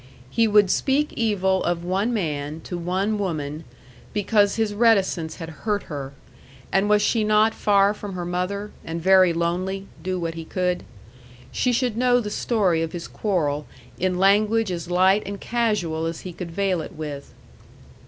He would speak evil of one man to one woman, because his reticence had hurt her and was she not far from her mother, and very lonely, do what he could? She should know the story of his quarrel in language as light and casual as he could veil it with.